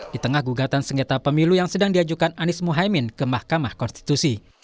di tengah gugatan sengketa pemilu yang sedang diajukan anies mohaimin ke mahkamah konstitusi